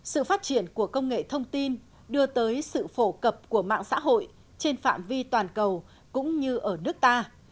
sự phát triển của công nghệ thông tin đưa tới sự phổ cập của mạng xã hội trên phạm vi toàn cầu cũng như ở nước ta